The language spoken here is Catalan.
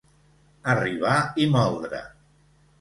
Arribar i moldre.